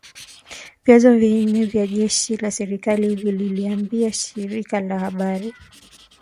Vyanzo vinne vya jeshi la serikali vililiambia shirika la habari.